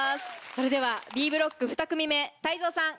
それではＢブロック２組目泰造さん